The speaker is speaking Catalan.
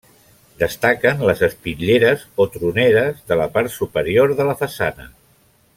Destaquen les espitlleres o troneres de la part superior de la façana.